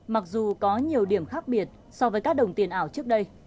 mặc dù có nhiều điểm khác biệt so với các đồng tiền ảo trước đây